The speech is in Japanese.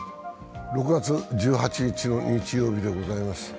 ６月１８日の日曜日でございます。